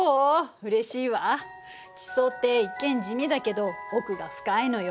地層って一見地味だけど奥が深いのよ。